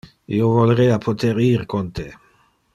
Io volerea poter ir con te.